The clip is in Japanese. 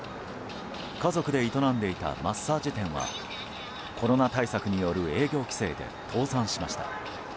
家族で営んでいたマッサージ店はコロナ対策による営業規制で倒産しました。